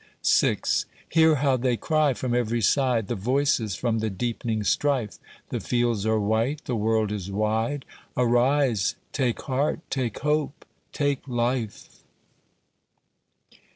VI Hear how they cry from every side, The voices from the deepening strife! The fields are white, the world is wide; Arise! take heart! take hope! take Life!